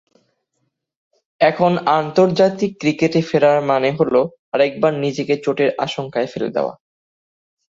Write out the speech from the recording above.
এখন আন্তর্জাতিক ক্রিকেটে ফেরা মানে হলো আরেকবার নিজেকে চোটের আশঙ্কায় ফেলে দেওয়া।